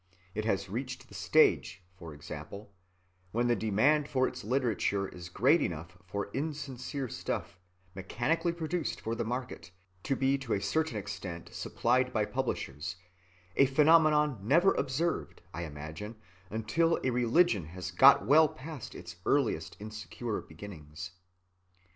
It has reached the stage, for example, when the demand for its literature is great enough for insincere stuff, mechanically produced for the market, to be to a certain extent supplied by publishers,—a phenomenon never observed, I imagine, until a religion has got well past its earliest insecure beginnings.